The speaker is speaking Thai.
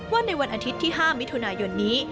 ว่าในวันอาทิตย์ที่๕มิถุนายนนี้